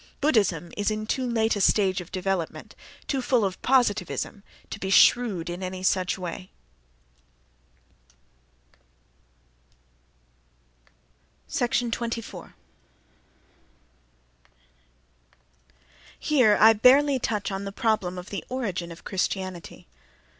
—Buddhism is in too late a stage of development, too full of positivism, to be shrewd in any such way.— That is, in Pandora's box. 24. Here I barely touch upon the problem of the origin of Christianity.